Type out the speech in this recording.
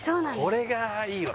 これがいいわ